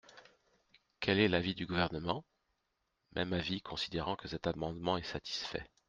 Quel est l’avis du Gouvernement ? Même avis, considérant que cet amendement est satisfait.